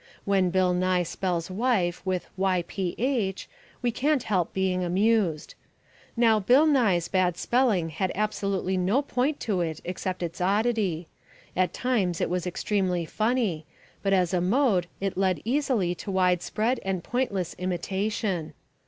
When Bill Nye spells wife with "yph" we can't help being amused. Now Bill Nye's bad spelling had absolutely no point to it except its oddity. At times it was extremely funny, but as a mode it led easily to widespread and pointless imitation.